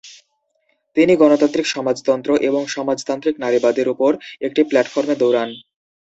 তিনি গণতান্ত্রিক সমাজতন্ত্র এবং সমাজতান্ত্রিক নারীবাদের উপর একটি প্ল্যাটফর্মে দৌড়ান।